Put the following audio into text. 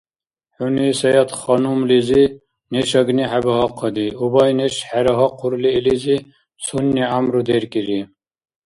ХӀуни Саятханумлизи неш агни хӀебагьахъади, убай неш хӀерагьахъурли илизи, цунни гӀямру деркӀири